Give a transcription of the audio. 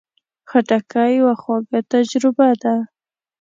خټکی یوه خواږه تجربه ده.